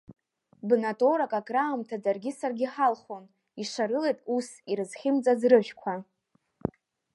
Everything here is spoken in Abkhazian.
Бна тоурак акраамҭа даргьы саргьы ҳалхон, ишарылеит ус ирзымхьаӡаз рыжәқәа.